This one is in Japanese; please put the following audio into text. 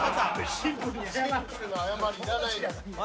シンプルな謝りいらないから。